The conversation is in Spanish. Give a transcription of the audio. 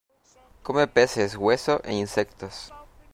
Come peces hueso e insectos.